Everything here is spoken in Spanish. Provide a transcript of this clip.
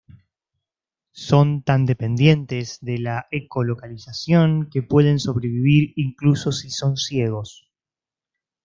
Son tan dependientes de la eco-localización que pueden sobrevivir incluso si son ciegos.